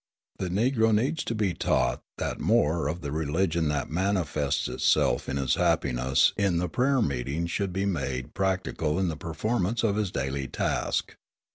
The Negro needs to be taught that more of the religion that manifests itself in his happiness in the prayer meeting should be made practical in the performance of his daily task.